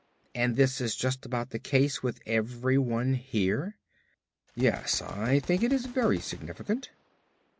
And this is just about the case with everyone here?" "Yes, I think it is very significant."